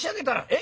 え？